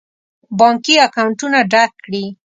بانکي اکاونټونه ډک کړي.